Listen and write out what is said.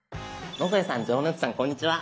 野添さん城之内さんこんにちは。